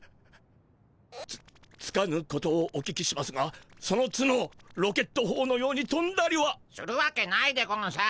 つっつかぬことをお聞きしますがその角ロケットほうのようにとんだりは？するわけないでゴンス。